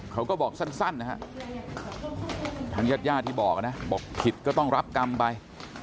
เขาก็บอกสั้นนะฮะทางญาติญาติที่บอกนะบอกผิดก็ต้องรับกรรมไป